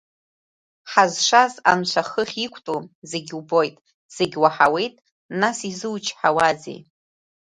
Ҳазшаз анцәа хыхь иқәтәоу, зегьы убоит, зегьы уаҳауеит, нас изучҳауазеи?